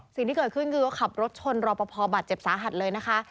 สิ่งที่เกิดขึ้นคือก็ขับรถชนรอปภบาดเจ็บสาหัสเลยนะคะ